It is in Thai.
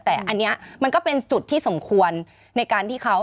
แต่อันนี้มันก็เป็นจุดที่สมควรในการที่เขา